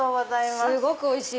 すごくおいしい。